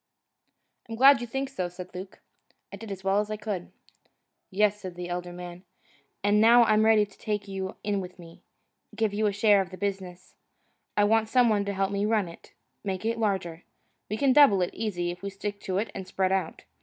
"I'm glad you think so," said Luke. "I did as well as I could." "Yes," said the elder man, "and now I'm about ready to take you in with me, give you a share in the business. I want some one to help me run it, make it larger. We can double it, easy, if we stick to it and spread out.